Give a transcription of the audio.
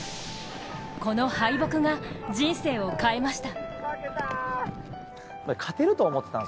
この敗北が人生を変えました。